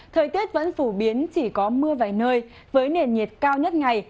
thời tiết vẫn phổ biến chỉ có mưa vài nơi với nền nhiệt cao nhất ngày